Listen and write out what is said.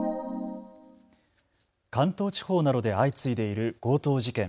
関東地方などで相次いでいる強盗事件。